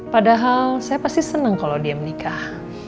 padahal saya pasti senang kalau dia menikah